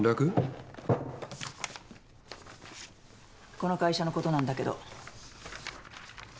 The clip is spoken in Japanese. この会社のことなんだけど。